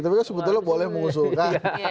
tapi sebetulnya boleh mengusulkan